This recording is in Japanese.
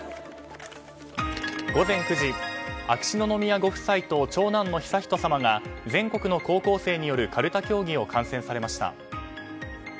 午前９時秋篠宮ご夫妻と長男の悠仁さまが全国の高校生によるかるた競技を観戦されました。